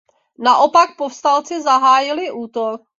Naopak povstalci zahájili útok.